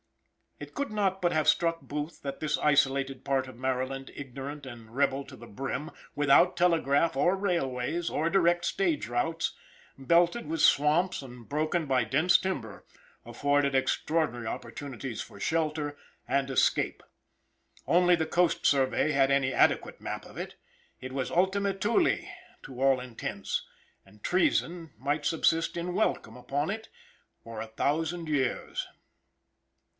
It could not but have struck Booth that this isolated part of Maryland ignorant and rebel to the brim, without telegraph or railways, or direct stage routes, belted with swamps and broken by dense timber, afforded extraordinary opportunities for shelter and escape. Only the coast survey had any adequate map of it; it was ultima thule to all intents, and treason might subsist in welcome upon it for a thousand years.